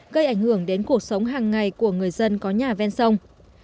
gây ảnh hưởng đến cuộc sống hàng ngày của người dân có nhà ven sông